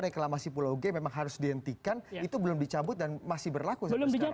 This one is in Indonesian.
reklamasi pulau g memang harus dihentikan itu belum dicabut dan masih berlaku sampai sekarang